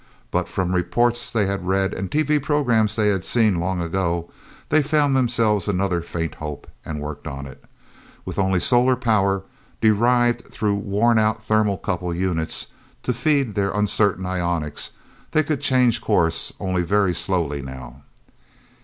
But from reports they had read and TV programs they had seen long ago, they found themselves another faint hope, and worked on it. With only solar power derived through worn out thermocouple units to feed their uncertain ionics, they could change course only very slowly, now.